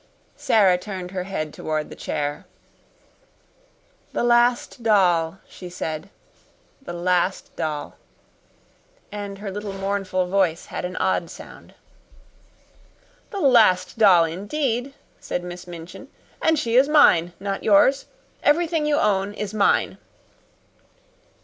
Sara turned her head toward the chair. "The Last Doll," she said. "The Last Doll." And her little mournful voice had an odd sound. "The Last Doll, indeed!" said Miss Minchin. "And she is mine, not yours. Everything you own is mine."